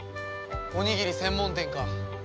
おにぎり専門店か。